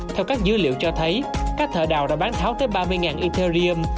theo các dữ liệu cho thấy các thợ đào đã bán tháo tới ba mươi etellium